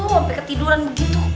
sampai ketiduran begitu